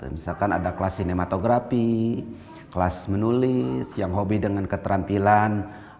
misalkan ada kelas sinematografi kelas menulis yang hobi dengan keterampilan